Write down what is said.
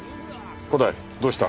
古代どうした？